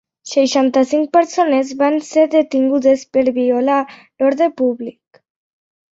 Seixanta cinc persones van ser detingudes per violar l'ordre públic.